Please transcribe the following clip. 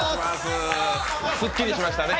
すっきりしましたね。